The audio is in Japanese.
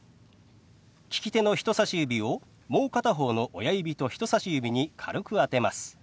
利き手の人さし指をもう片方の親指と人さし指に軽く当てます。